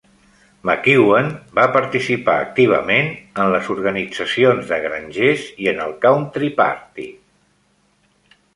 McEwen va participar activament en les organitzacions de grangers i en el Country Party.